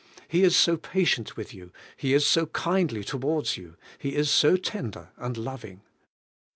He is so patient with y ou, He is so kindly towards you, He is so lender and loving.